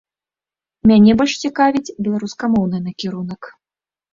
Мяне больш цікавіць беларускамоўны накірунак.